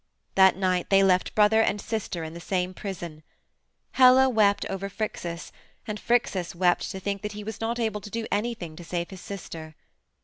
That night they left brother and sister in the same prison. Helle wept over Phrixus, and Phrixus wept to think that he was not able to do anything to save his sister.